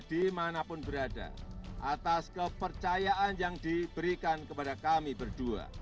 dimanapun berada atas kepercayaan yang diberikan kepada kami berdua